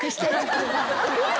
すごい。